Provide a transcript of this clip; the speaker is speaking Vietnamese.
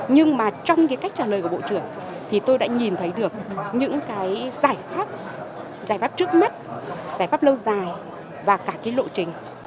nhưng mà trong cái cách trả lời của bộ trưởng thì tôi đã nhìn thấy được những cái giải pháp giải pháp trước mắt giải pháp lâu dài và cả cái lộ trình